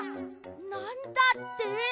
なんだって！？